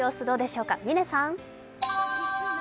どうでしょうか、嶺さん。